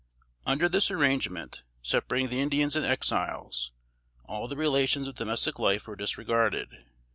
Under this arrangement separating the Indians and Exiles all the relations of domestic life were disregarded.